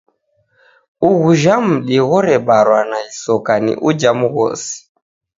Ughuja mudi ghodebarwa na isoka ni uja mghosi.